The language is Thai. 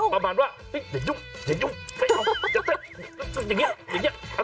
ประมาณว่าอย่ายุ่งอย่ายุ่งอย่าเต้น